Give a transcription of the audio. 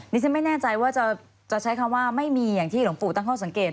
นี่ฉันไม่แน่ใจว่าจะใช้คำว่าไม่มีอย่างที่หลวงปู่ตั้งข้อสังเกต